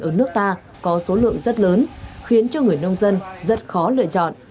ở nước ta có số lượng rất lớn khiến cho người nông dân rất khó lựa chọn